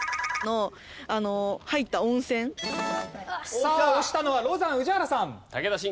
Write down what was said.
さあ押したのはロザン宇治原さん。